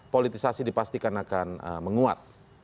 politisasi dipastikan akan menguat